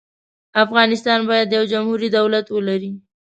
افغانستان باید یو جمهوري دولت ولري.